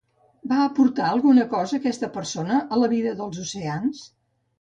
Va aportar alguna cosa aquesta persona a la vida dels oceans?